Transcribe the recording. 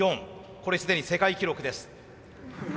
これすでに世界記録です。